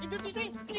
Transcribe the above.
ini tisunya nih